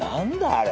あれ。